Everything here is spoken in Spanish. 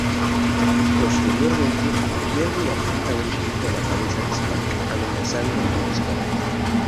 Posteriormente, Jerry apunta un rifle a la cabeza de Spike, amenazando con disparar.